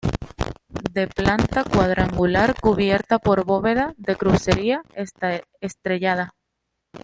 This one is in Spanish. De planta cuadrangular, cubierta por bóveda de crucería estrellada.